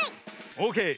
オーケー。